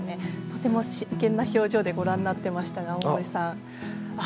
とても真剣な表情でご覧になっていましたが大森さん。